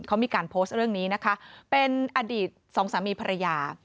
เขามีการโพสต์เรื่องนี้นะคะเป็นอดีตสองสามีภรรยา